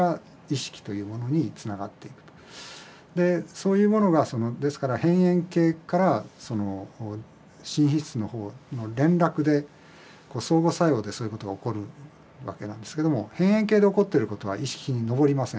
そういうものがですから「辺縁系」からその「新皮質」の方の連絡で相互作用でそういうことが起こるわけなんですけども辺縁系で起こってることは意識に上りません。